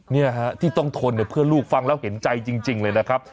นี่ฮะที่ต้องทนเนี่ยเพื่อลูกฟังแล้วเห็นใจจริงเลยนะครับ